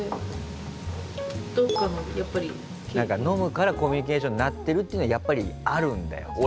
飲むからコミュニケーションになってるっていうのはやっぱりあるんだよ。